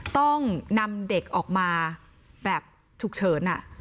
ต้องนำเด็กออกมาแบบฉุกเฉิน